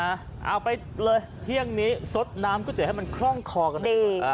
เอาไปเลยเที่ยงนี้สดน้ำก๋วยเตี๋ยให้มันคล่องคอกันหน่อยดี